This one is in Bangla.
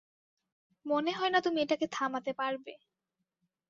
মনে হয় না তুমি এটাকে থামাতে পারবে।